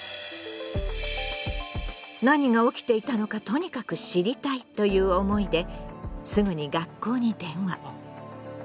「何が起きていたのかとにかく知りたい」という思いですぐに学校に電話。